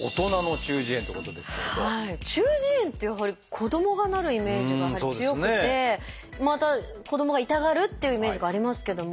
中耳炎ってやはり子どもがなるイメージが強くてまた子どもが痛がるっていうイメージがありますけども。